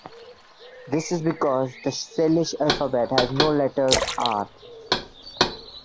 This is because the Salish alphabet has no letter "r".